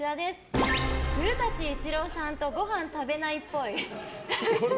古舘伊知郎さんとごはん食べないっぽい。